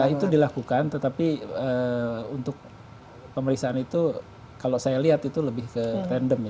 itu dilakukan tetapi untuk pemeriksaan itu kalau saya lihat itu lebih ke random ya